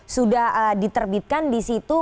sudah diterbitkan disitu